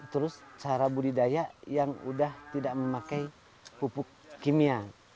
terus secara budidaya yang sudah tidak memakai pupuk kimia